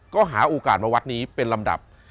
ก็หาโอกาสมาวัดนี้เป็นลำดับ